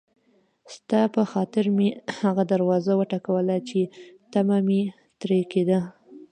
ستا په خاطر مې هغه دروازه وټکوله چې طمعه مې ترې کېدله.